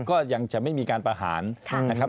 ก็ยังจะไม่มีการประหารนะครับ